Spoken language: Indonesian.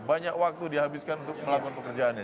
banyak waktu dihabiskan untuk melakukan pekerjaannya